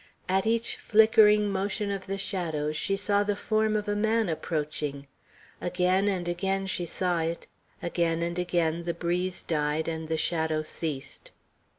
At each flickering, motion of the shadows she saw the form of a man approaching. Again and again she saw it. Again and again the breeze died, and the shadow ceased.